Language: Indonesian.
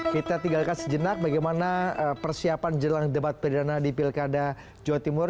kita tinggalkan sejenak bagaimana persiapan jelang debat perdana di pilkada jawa timur